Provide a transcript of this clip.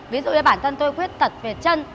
ví dụ như bản thân tôi khuyết tật về chân